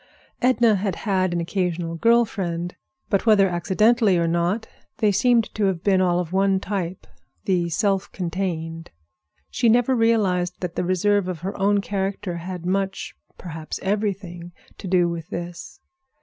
Edna had had an occasional girl friend, but whether accidentally or not, they seemed to have been all of one type—the self contained. She never realized that the reserve of her own character had much, perhaps everything, to do with this.